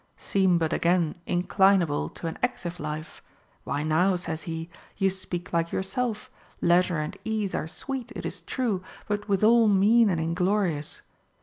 Seem but again inclinable to an active life; Why now, says he, you speak like yourself; leisure and ease are sweet, it is true, but withal mean and inglorious.